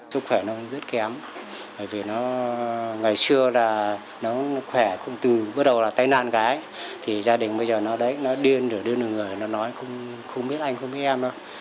sức khỏe nó rất kém bởi vì nó ngày xưa là nó khỏe cũng từ bước đầu là tai nạn cái thì gia đình bây giờ nó đấy nó điên rồi đưa được người nó nói không biết anh không biết em đâu